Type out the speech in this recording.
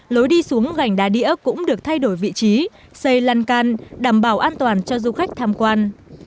lối đi xuống gành đá đĩa cũng được thay đổi vị trí xây lăn can đảm bảo an toàn cho du khách tham quan